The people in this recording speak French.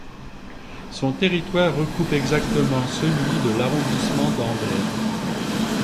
Son territoire recoupe exactement celui de l'arrondissement d'Ambert.